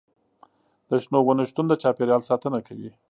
د شنو ونو شتون د چاپیریال ساتنه کوي.